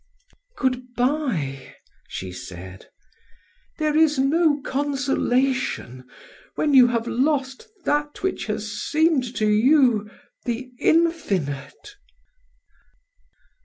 "Good bye," she said; "there is no consolation when you have lost that which has seemed to you the infinite."